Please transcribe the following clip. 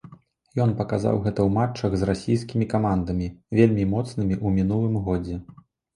Ён паказаў гэта ў матчах з расійскімі камандамі, вельмі моцнымі ў мінулым годзе.